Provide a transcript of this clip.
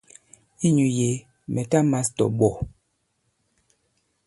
Inyū yě mɛ̀ ta mās tɔ̀ ìɓɔ̀.